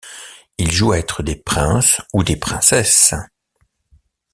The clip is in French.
Ils jouent à être des princes ou des princesses.